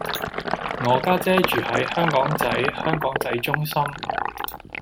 我家姐住喺香港仔香港仔中心